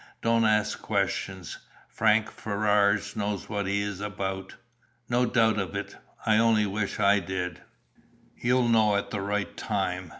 Don't ask questions. Frank Ferrars knows what he is about." "No doubt of it. I only wish I did." "You'll know at the right time.